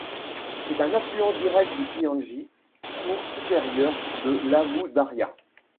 C'est un affluent direct du Piandj, cours supérieur de l'Amou-Daria.